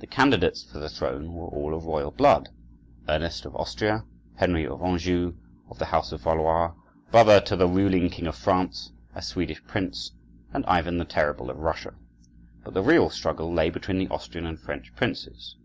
The candidates for the throne were all of royal blood—Ernest of Austria, Henry of Anjou of the house of Valois, brother to the ruling king of France, a Swedish prince, and Ivan the Terrible of Russia. But the real struggle lay between the Austrian and French princes.